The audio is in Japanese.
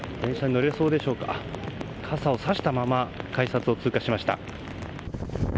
傘をさしたまま改札を通過しました。